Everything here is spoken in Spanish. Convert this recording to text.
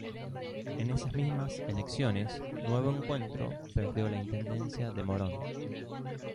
En esas mismas elecciones, Nuevo Encuentro perdió la intendencia de Morón.